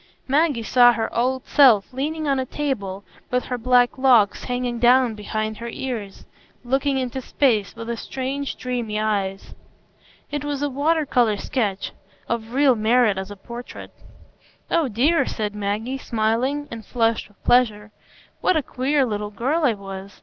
Maggie saw her old self leaning on a table, with her black locks hanging down behind her ears, looking into space, with strange, dreamy eyes. It was a water colour sketch, of real merit as a portrait. "Oh dear," said Maggie, smiling, and flushed with pleasure, "what a queer little girl I was!